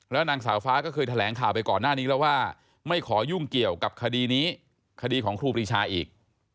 นางสาวฟ้าก็เคยแถลงข่าวไปก่อนหน้านี้แล้วว่าไม่ขอยุ่งเกี่ยวกับคดีนี้คดีของครูปรีชาอีก